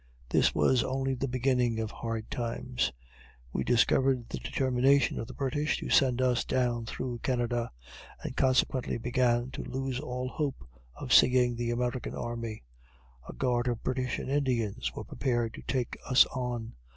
This was only the beginning of hard times. We discovered the determination of the British to send us down through Canada, and consequently began to lose all hope of seeing the American army. A guard of British and Indians was prepared to take us on.